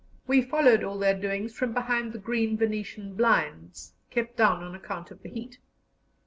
We followed all their doings from behind the green Venetian blinds, kept down on account of the heat.